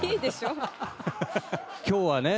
今日はね